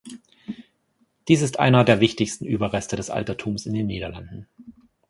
Dies ist einer der wichtigsten Überreste des Altertums in den Niederlanden.